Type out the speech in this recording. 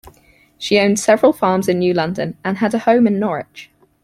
She owned several farms in New London, and had a home in Norwich.